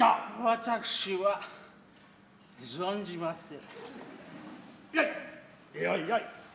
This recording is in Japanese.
私は存じませぬ。